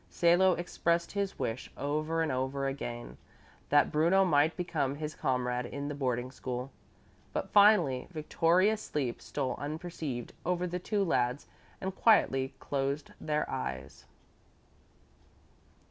Salo expressed his wish over and over again that Bruno might become his comrade in the boarding school. But finally victorious sleep stole unperceived over the two lads and quietly closed their eyes.